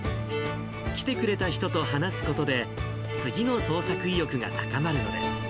来てくれた人と話すことで、次の創作意欲が高まるのです。